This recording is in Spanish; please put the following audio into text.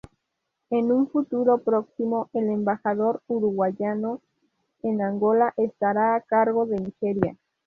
En un futuro próximo, el embajador uruguayo en Angola estará a cargo de Nigeria.